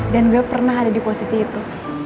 dan gue pernah ada di posisi itu